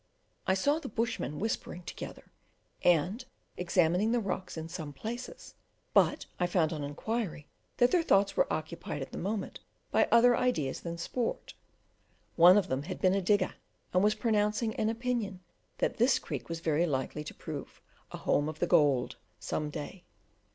I saw the bushmen whispering together, and examining the rocks in some places, but I found on inquiry that their thoughts were occupied at the moment by other ideas than sport; one of them had been a digger, and was pronouncing an opinion that this creek was very likely to prove a "home of the gold" some day.